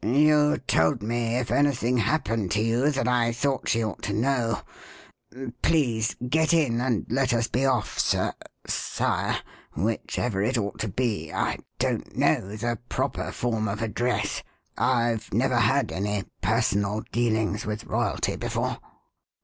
You told me if anything happened to you that I thought she ought to know Please get in and let us be off, sir Sire whichever it ought to be. I don't know the proper form of address. I've never had any personal dealings with royalty before."